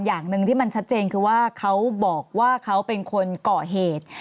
อย่างหนึ่งที่มันชัดเจนคือว่าเขาบอกว่าเขาเป็นคนเกาะเหตุ